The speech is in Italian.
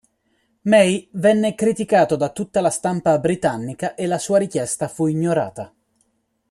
May venne criticato da tutta la stampa britannica e la sua richiesta fu ignorata.